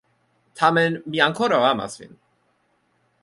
Tamen, mi ankoraŭ amas vin.